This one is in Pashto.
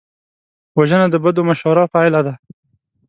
وژنه د بدو مشورو پایله ده